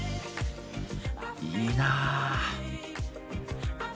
いいなぁ。